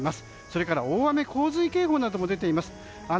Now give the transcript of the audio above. それから大雨・洪水警報なども出ています。